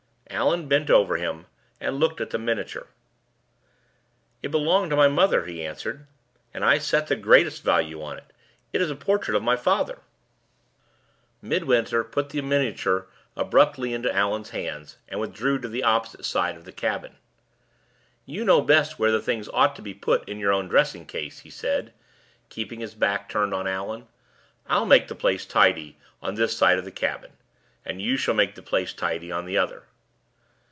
Allan bent over him, and looked at the miniature. "It belonged to my mother," he answered; "and I set the greatest value on it. It is a portrait of my father." Midwinter put the miniature abruptly, into Allan's hands, and withdrew to the opposite side of the cabin. "You know best where the things ought to be put in your own dressing case," he said, keeping his back turned on Allan. "I'll make the place tidy on this side of the cabin, and you shall make the place tidy on the other."